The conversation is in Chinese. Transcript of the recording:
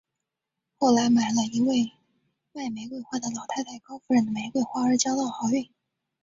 后来买了一位卖玫瑰花的老太太高夫人的玫瑰花而交到好运。